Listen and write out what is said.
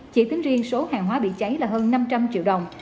chỉ tính riêng số hàng hóa bị cháy là hơn năm trăm linh triệu đồng